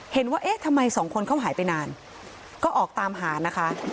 เห็นว่าเอ๊ะทำไมสองคนเขาหายไปนานก็ออกตามหานะคะ